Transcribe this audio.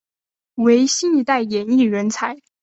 为新一代演艺人才。